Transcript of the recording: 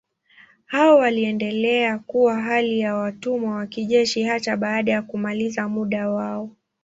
Hao waliendelea kuwa hali ya watumwa wa kijeshi hata baada ya kumaliza muda wao.